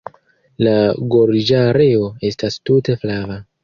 La gorĝareo estas tute flava.